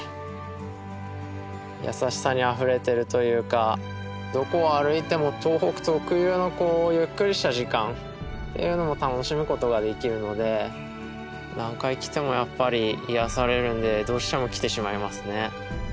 優しさにあふれてるというかどこを歩いてもっていうのも楽しむことができるので何回来てもやっぱり癒やされるんでどうしても来てしまいますね。